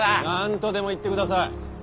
何とでも言ってください。